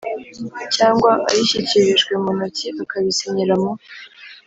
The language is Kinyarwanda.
cyangwa ayishyikirijwe mu ntoki akabisinyira mu